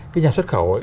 cái nhà xuất khẩu